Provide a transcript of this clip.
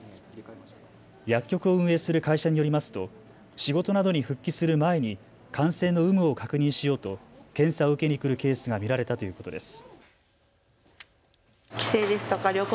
薬局を運営する会社によりますと仕事などに復帰する前に感染の有無を確認しようと検査を受けに来るケースが見られたということです。